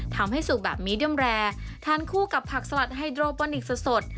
ทำให้สุกแบบมีเดียมแรร์ทานคู่กับผักสลัดไฮโดรปอนิกส์สดสด